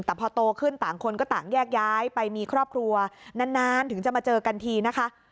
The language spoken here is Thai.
แต่พอโตขึ้นต่างคนก็ต่างแยกย้ายไปมีครอบครัวนานถึงจะมาเจอกันทีนะคะ